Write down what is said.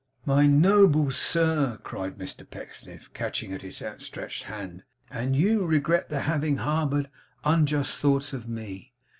'My noble sir!' cried Mr Pecksniff, catching at his outstretched hand. 'And YOU regret the having harboured unjust thoughts of me!